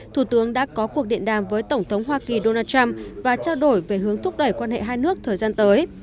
thủ tướng đã có cuộc điện đàm với tổng thống hoa kỳ donald trump và trao đổi về hướng thúc đẩy quan hệ hai nước thời gian tới